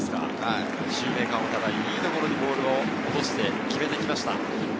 シューメーカーもいいところにボールを落として決めて行きました。